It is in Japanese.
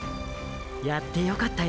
やってよかったよ